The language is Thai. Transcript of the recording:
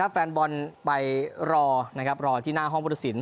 แฟนบอลไปรอรอที่หน้าห้องพุทธศิลป